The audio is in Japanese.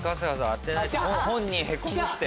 当てないと本人ヘコむって。